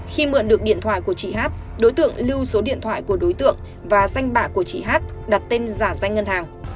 khi mượn được điện thoại của chị hát đối tượng lưu số điện thoại của đối tượng và danh bạ của chị hát đặt tên giả danh ngân hàng